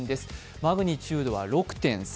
マグニチュードは６．３。